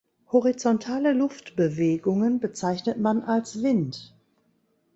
Horizontale Luftbewegungen bezeichnet man als Wind.